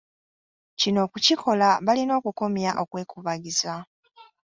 Kino okukikola balina okukomya okwekubagiza.